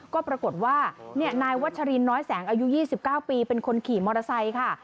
ก็ปรากฏว่านายวัชรินน้อยแสงอายุ๒๙ปีเป็นคนขี่มอเตอร์ไซค์ค่ะ